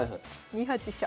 ２八飛車。